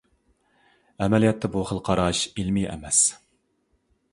ئەمەلىيەتتە بۇ خىل قاراش ئىلمىي ئەمەس.